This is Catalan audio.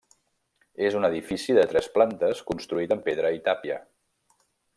És un edifici de tres plantes construït amb pedra i tapia.